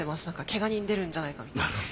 けが人出るんじゃないかみたいな。